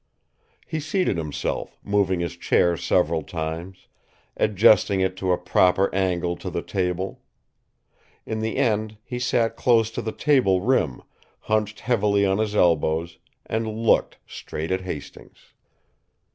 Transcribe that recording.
He seated himself, moving his chair several times, adjusting it to a proper angle to the table. In the end, he sat close to the table rim, hunched heavily on his elbows, and looked straight at Hastings.